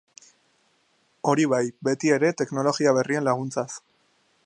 Hori bai beti ere teknologia berrien laguntzaz.